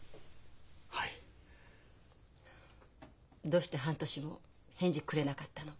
どうして半年も返事くれなかったの？